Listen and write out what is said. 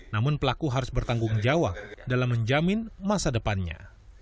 namun pelaku harus bertanggung jawab dalam menjamin masa depannya